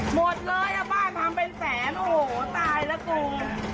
หมดเลยอ่ะบ้านทำเป็นแสนโอ้โหตายแล้วกู